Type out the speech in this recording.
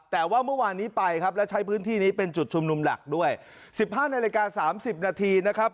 แต่ว่าเมื่อวานนี้ไปครับแล้วใช้พื้นที่นี้เป็นจุดชุมนุมหลักด้วย๑๕นาฬิกา๓๐นาทีนะครับ